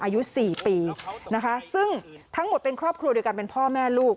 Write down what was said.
อายุ๔ปีนะคะซึ่งทั้งหมดเป็นครอบครัวเดียวกันเป็นพ่อแม่ลูก